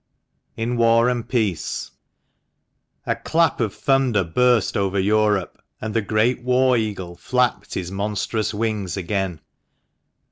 IN WAR AND PEACE. CLAP of thunder burst over Europe, and the great war eagle flapped his monstrous wings again.